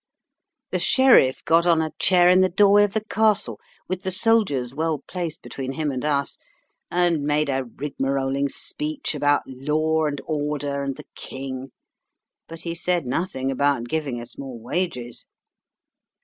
"The Sheriff got on a chair in the doorway of the Castle, with the soldiers well placed between him and us, and made a rigmaroling speech about law and order, and the King; but he said nothing about giving us more wages.